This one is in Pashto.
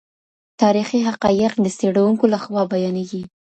تاريخي حقايق د څېړونکو لخوا بيانېږي.